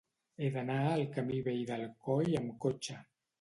He d'anar al camí Vell del Coll amb cotxe.